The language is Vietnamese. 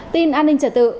tin an ninh trả tự